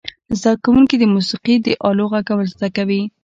زده کوونکو د موسیقي د آلو غږول زده کول.